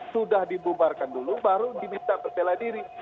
sudah dibubarkan dulu baru diminta bersela diri